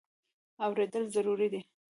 اورېدل ضروري دی.